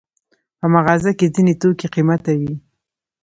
په مغازه کې ځینې توکي قیمته وي.